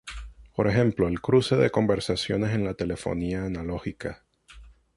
Por ejemplo el cruce de conversaciones en la telefonía analógica.